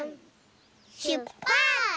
しゅっぱつ！